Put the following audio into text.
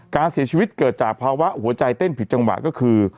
การเสียชีวิตเกิดจากภาวะหัวใจเต้นผิดจังหวะก็คือ